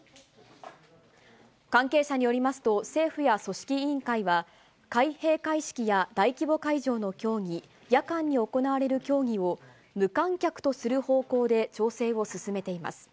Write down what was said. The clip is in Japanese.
関係者によりますと、政府や組織委員会は、開閉会式や大規模会場の競技、夜間に行われる競技を、無観客とする方向で調整を進めています。